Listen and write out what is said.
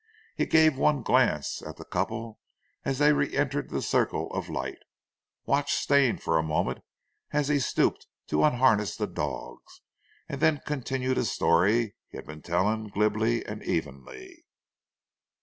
He gave one glance at the couple as they re entered the circle of light, watched Stane for a moment as he stooped to unharness the dogs, and then continued the story he had been telling glibly and evenly.